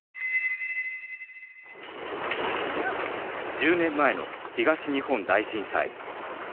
１０年前の東日本大震災。